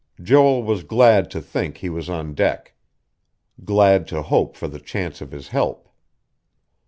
Joel was glad to think he was on deck; glad to hope for the chance of his help....